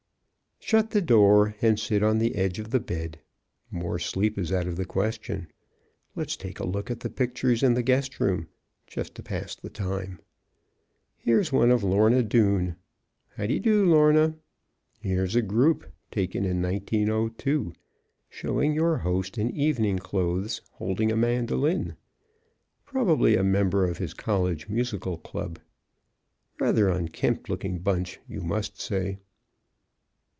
Shut the door and sit on the edge of the bed. More sleep is out of the question. Let's take a look at the pictures in the guest room, just to pass the time. Here's one of Lorna Doone. How d'e do, Lorna? Here's a group taken in 1902 showing your host in evening clothes, holding a mandolin. Probably a member of his college musical club. Rather unkempt looking bunch, you must say.